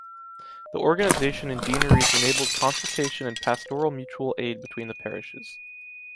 The organization in deaneries enables consultation and pastoral mutual aid between the parishes.